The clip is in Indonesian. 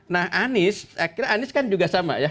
nah anies anies kan juga sama ya